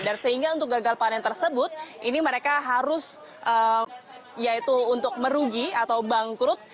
dan sehingga untuk gagal panen tersebut ini mereka harus yaitu untuk merugi atau bangkrut